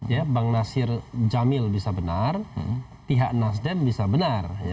ya bang nasir jamil bisa benar pihak nasdem bisa benar